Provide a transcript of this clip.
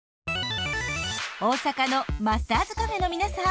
大阪のマスターズＣａｆｅの皆さん